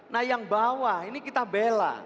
nah yang bawah ini kita bela